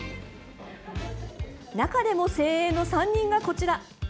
中でも、精鋭の３人がこちら。